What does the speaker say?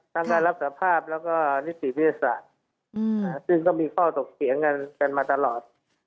ทั้งการรับสาภาพและก็นิติพิศาสตร์ซึ่งก็มีข้อตกเสียงกันมาตลอด